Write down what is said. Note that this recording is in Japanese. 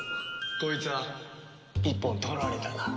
こいつは一本取られたな。